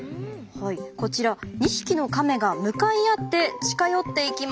こちら２匹のカメが向かい合って近寄っていきます。